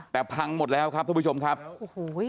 แต่พังหมดแล้วครับทุกผู้ชมครับโอ้โห